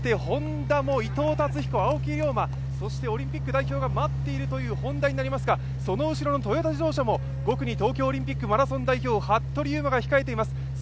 Ｈｏｎｄａも伊藤達彦、青木涼真、そしてオリンピック代表が舞っているというＨｏｎｄａになりますが、その後ろのトヨタ自動車も５区に東京オリンピックマラソン代表服部勇馬が控えています。